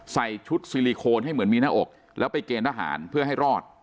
ใส่ชุดซิลิโคนให้เหมือนมีหน้าอกแล้วไปเกณฑ์ทหารเพื่อให้รอด